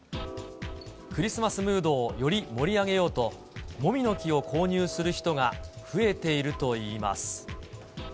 クリスマスムードをより盛り上げようと、もみの木を購入する人が増えているといいます。